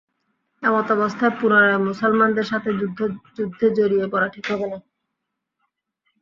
এমতাবস্থায় পুনরায় মুসলমানদের সাথে যুদ্ধে জড়িয়ে পড়া ঠিক হবে না।